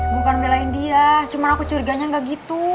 bukan belain dia cuma aku curiganya nggak gitu